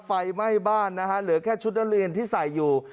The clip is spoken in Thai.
ไฟไหม้บ้านนะฮะเหลือแค่ชุดนักเรียนที่ใส่อยู่